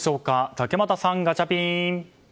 竹俣さん、ガチャピン。